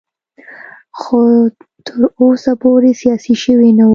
خو تر اوسه پورې سیاسي شوی نه و.